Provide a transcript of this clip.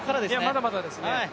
まだまだですね。